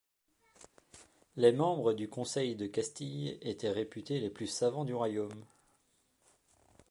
Les membres du Conseil de Castille étaient réputés les plus savants du royaume.